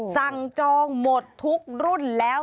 จองหมดทุกรุ่นแล้ว